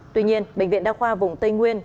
tuy nhiên bệnh viện đa khoa vùng tây nguyên